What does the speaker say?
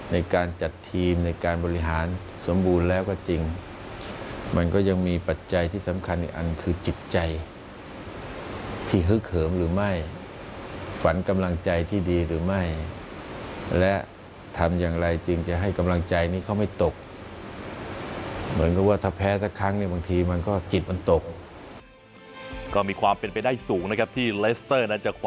ในการจัดทีมในการบริหารสมบูรณ์แล้วก็จริงมันก็ยังมีปัจจัยที่สำคัญอันคือจิตใจที่เขื้อเขิมหรือไม่ฝันกำลังใจที่ดีหรือไม่และทำอย่างไรจริงจะให้กำลังใจเขาไม่ตกเหมือนกับว่าถ้าแพ้สักครั้งบางทีก็จิตมันตก